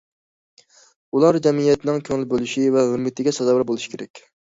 ئۇلار جەمئىيەتنىڭ كۆڭۈل بۆلۈشى ۋە ھۆرمىتىگە سازاۋەر بولۇشى كېرەك.